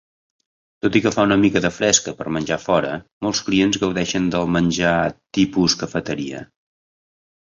Tot i que fa una mica de fresca per menjar fora, molts clients gaudeixen del menjar "tipus cafeteria".